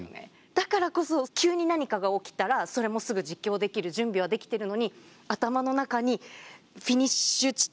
だからこそ急に何かが起きたらそれもすぐ実況できる準備はできてるのに頭の中にフィニッシュ地点